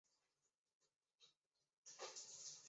恩岑基兴是奥地利上奥地利州谢尔丁县的一个市镇。